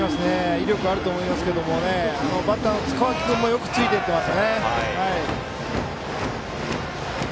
威力があると思いますけどバッターの塚脇君もよくついていってます。